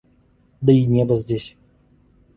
Да и небо здесь...